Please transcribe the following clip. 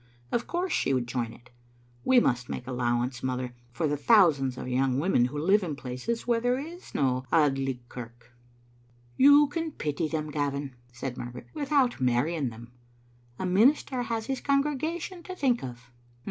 Of course she would join it. We must make allowance, mother, for the thousands of young women who live in places where there is no Auld Licht kirk." "You can pity them, Gavin," said Margaret, "with out marrying them. A minister has his congregation to think of."